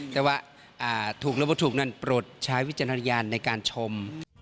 แต่ว่าถูกแล้วถูกนั้นโปรดใช้วิจารณาในการชม